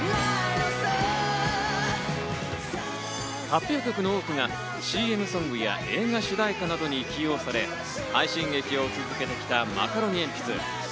発表曲の多くがＣＭソングや映画主題歌などに起用され、快進撃を続けてきたマカロニえんぴつ。